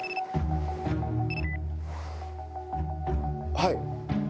はい。